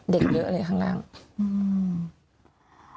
เด็กเยอะในทางน้ำ